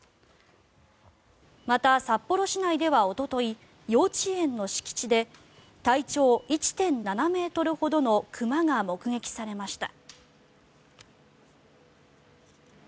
また、札幌市内ではおととい幼稚園の敷地で体長１．７ｍほどの熊が目撃されました。